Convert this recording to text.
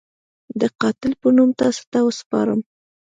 د قاتل په نوم تاسو ته وسپارم.